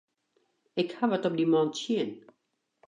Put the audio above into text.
Ik haw wat op dy man tsjin.